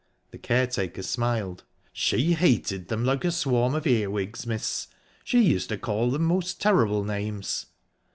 The caretaker smiled. "She hated them like a swarm of earwigs, miss. She used to call them most terrible names."